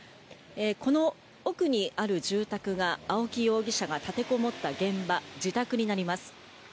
この奥にある住宅が青木容疑者が立てこもった現場自宅になります。